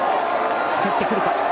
入ってくるか。